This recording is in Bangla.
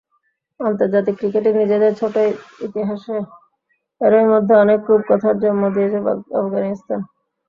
আন্তর্জাতিক ক্রিকেটে নিজেদের ছোট্ট ইতিহাসে এরই মধ্যে অনেক রূপকথার জন্ম দিয়েছে আফগানিস্তান।